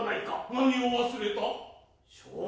何を忘れた？